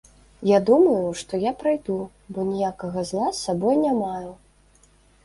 Я думаю, што я прайду, бо ніякага зла з сабой не маю.